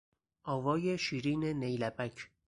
آوای شیرین نیلبک